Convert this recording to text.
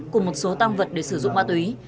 cùng một số tam vật để sử dụng ma túy